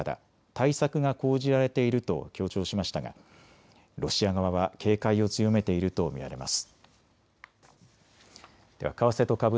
対策が講じられていると強調しましたがロシア側は警戒を強めていると見られます。